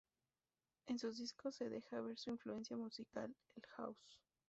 En sus discos se deja ver su influencia musical: el house.